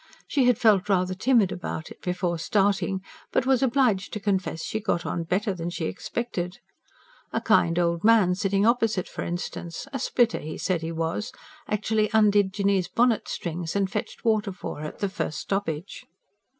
She had felt rather timid about it, before starting; but was obliged to confess she got on better than she expected. A kind old man sitting opposite, for instance a splitter he said he was actually undid Jinny's bonnet strings, and fetched water for her at the first stoppage.